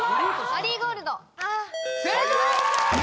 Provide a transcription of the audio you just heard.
「マリーゴールド」正解！